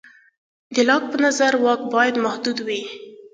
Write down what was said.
د لاک په نظر واک باید محدود وي.